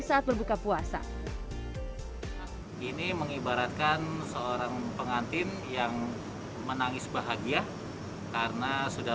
saat berbuka puasa ini mengibaratkan seorang pengantin yang menangis bahagia karena sudah